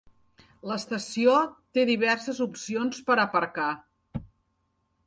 L'estació té diverses opcions per aparcar.